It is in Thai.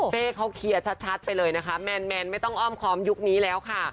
เป้เขาเคลียร์ชัดไปเลยนะคะแมนไม่ต้องอ้อมคอมยุคนี้แล้วค่ะ